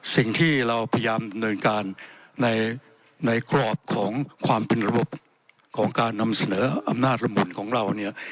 สิ่งที่เราพยายามดำเนินการในกรอบของความเป็นระบบของการนำเสนออำนาจระมุนของเราเนี่ย